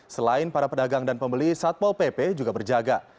selain para pedagang dan pembeli satpol pp juga berjaga